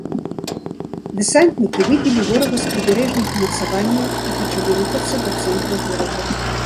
Дэсантнікі выбілі ворага з прыбярэжных умацаванняў і пачалі рухацца да цэнтра горада.